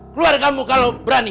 keluar kamu kalau berani